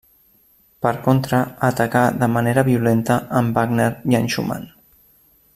Per contra, atacà de manera violenta en Wagner i en Schumann.